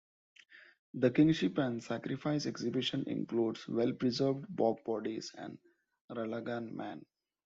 The Kingship and Sacrifice exhibition includes well preserved bog bodies and Ralaghan Man.